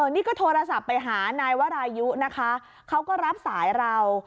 นี่ก็โทรศัพท์ไปหานายวรายุนะคะเขาก็รับสายเรา